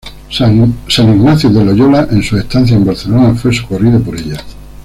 San Ignacio de Loyola en sus estancias en Barcelona fue socorrido por ella.